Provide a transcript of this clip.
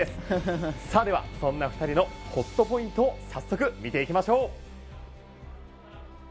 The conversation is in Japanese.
では、そんな２人のホットポイントを早速見ていきましょう。